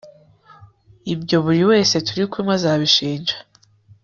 ibyo buri wese turi kumwe azabishinja